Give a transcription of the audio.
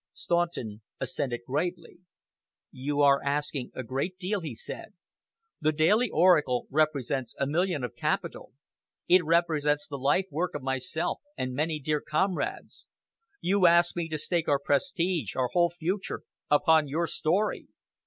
Staunton assented gravely. "You are asking me a great deal," he said. "The Daily Oracle represents a million of capital, it represents the life work of myself and many dear comrades. You ask me to stake our prestige, our whole future, upon your story.